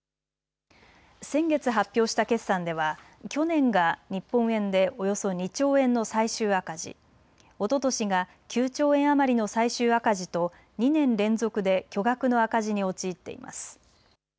先月発表した決算では去年が日本円でおよそ２兆円の最終赤字、おととしが９兆円余りの最終赤字と２年連続で巨額の赤字に陥っています。